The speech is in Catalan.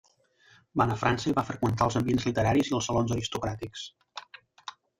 Va anar a França, i va freqüentar els ambients literaris i els salons aristocràtics.